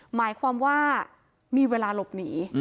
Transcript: หมายความว่ามีเวลาหลบหนี